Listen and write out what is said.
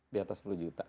di atas sepuluh juta